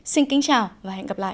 xin kính chào và hẹn gặp lại